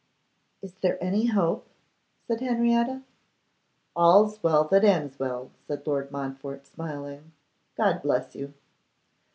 'Is there any hope?' said Henrietta. 'All's well that ends well,' said Lord Montfort, smiling; 'God bless you.